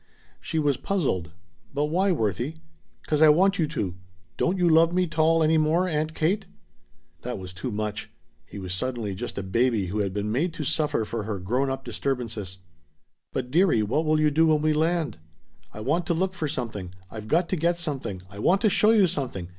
She was puzzled. "But why, Worthie?" "Cause I want you to. Don't you love me 't all any more, Aunt Kate?" That was too much. He was suddenly just a baby who had been made to suffer for her grown up disturbances. "But, dearie, what will you do when we land?" "I want to look for something. I've got to get something. I want to show you something.